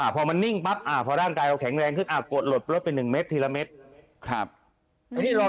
พอมันนิ่งปั๊บพอร่างกายเราแข็งแรงขึ้นอาบกดหลบลบไป๑เม็ดทีละเม็ด